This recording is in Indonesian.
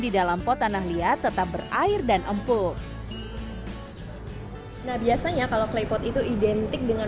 di dalam pot tanah liat tetap berair dan empuk nah biasanya kalau klepot itu identik dengan